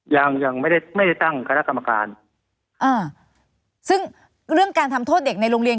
ยังไม่ได้ไม่ได้ตั้งคณะกรรมการอ่าซึ่งเรื่องการทำโทษเด็กในโรงเรียน